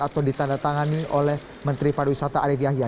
atau ditandatangani oleh menteri pariwisata arief yahya